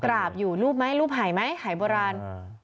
กราบอยู่รูปไหมรูปหายไหมหายโบราณ